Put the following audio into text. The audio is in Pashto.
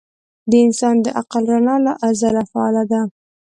د انسان د عقل رڼا له ازله فعاله ده.